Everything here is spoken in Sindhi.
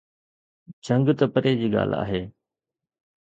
جنگ ته پري جي ڳالهه آهي.